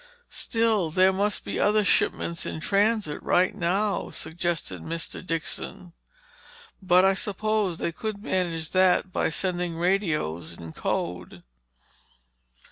"Still there must be other shipments in transit right now," suggested Mr. Dixon. "But I suppose they could manage that by sending radios in code?"